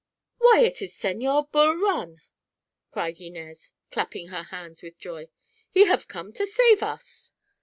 "Why, it is Señor Bul Run!" cried Inez, clapping her hands with joy. "He have come to save us."